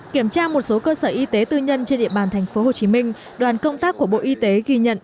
kiểm tra một số cơ sở y tế tư nhân trên địa bàn tp hcm đoàn công tác của bộ y tế ghi nhận